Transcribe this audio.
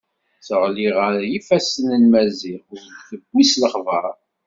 Teɣli ɣer yifassen n Maziɣ ur d-tewwi s lexber.